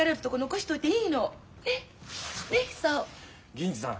銀次さん。